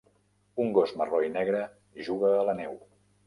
Un gos marró i negre juga a la neu.